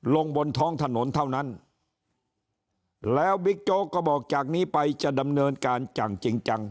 บนท้องถนนเท่านั้นแล้วบิ๊กโจ๊กก็บอกจากนี้ไปจะดำเนินการอย่างจริงจัง